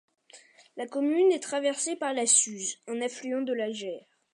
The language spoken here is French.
La commune est traversée par la Suze, un affluent de la Gère.